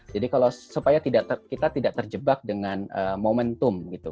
jadi kalau supaya kita tidak terjebak dengan momentum gitu